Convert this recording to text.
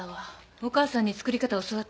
お母さんに作り方教わったの？